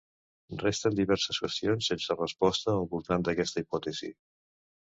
Resten diverses qüestions sense resposta al voltant d'aquesta hipòtesi.